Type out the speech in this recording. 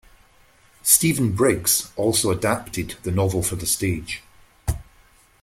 Stephen Briggs also adapted the novel for the stage.